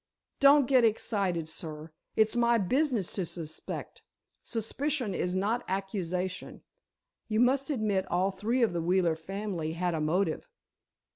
"Don't get excited, sir. It's my business to suspect. Suspicion is not accusation. You must admit all three of the Wheeler family had a motive.